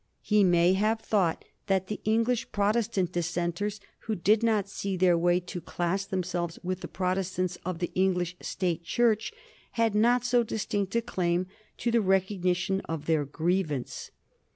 He may have thought that the English Protestant Dissenters who did not see their way to class themselves with the Protestants of the English State Church had not so distinct a claim to the recognition of their grievance.